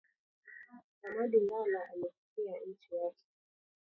Mamadu Ndala alikufia inchi yake